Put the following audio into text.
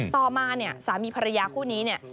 ต่อมาเนี่ยสามีภรรยาคู่นี้เนี่ย